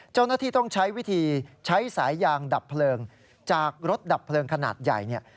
เจ้าหน้าที่ต้องใช้วิธีใช้สายยางดับเพลิงจากรถดับเพลิงขนาดใหญ่เนี่ย